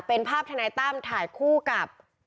เป็นภาพท่านไนต้ำถ่ายคู่กับ